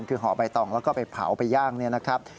คือห่อใบตองแล้วก็ไปเผาไปย่างเนี่ยนะครับ